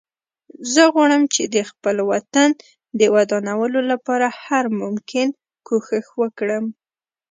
زه غواړم چې د خپل وطن د ودانولو لپاره هر ممکن کوښښ وکړم